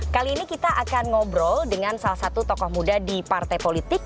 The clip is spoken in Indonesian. kali ini kita akan ngobrol dengan salah satu tokoh muda di partai politik